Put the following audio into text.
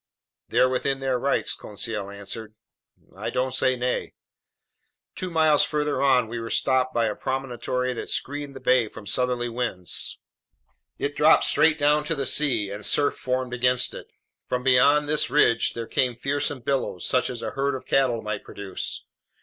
"They're within their rights," Conseil answered. "I don't say nay." Two miles farther on, we were stopped by a promontory that screened the bay from southerly winds. It dropped straight down to the sea, and surf foamed against it. From beyond this ridge there came fearsome bellows, such as a herd of cattle might produce.